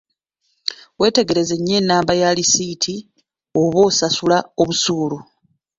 Weetegereze nnyo nnamba ya lisiiti bw'oba osasula obusuulu.